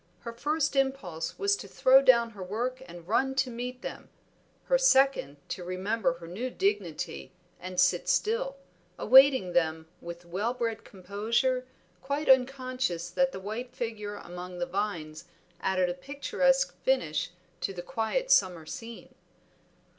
Her first impulse was to throw down her work and run to meet them, her second to remember her new dignity and sit still, awaiting them with well bred composure, quite unconscious that the white figure among the vines added a picturesque finish to the quiet summer scene.